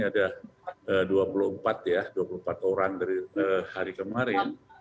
ada dua puluh empat ya dua puluh empat orang dari hari kemarin